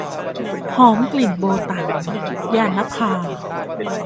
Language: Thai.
หอมกลิ่นโบตั๋น - ญาณภา